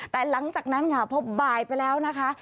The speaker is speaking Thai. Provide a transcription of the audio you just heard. แต่หลังจากนั้นค่ะพอบ่ายไปแล้วนะคะ